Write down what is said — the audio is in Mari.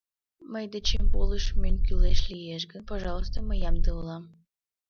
Мый дечем полыш монь кӱлеш лиеш гын, пожалуйста, мый ямде улам.